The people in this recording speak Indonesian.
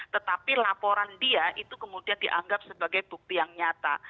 tetapi laporan dia itu kemudian dianggap sebagai bukti yang nyata